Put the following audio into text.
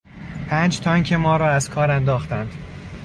پنج تانک ما را از کار انداختند.